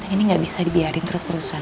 ini nggak bisa dibiarin terus terusan